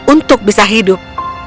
untuk bisa hidup